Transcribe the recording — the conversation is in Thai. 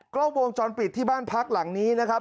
กล้องวงจรปิดที่บ้านพักหลังนี้นะครับ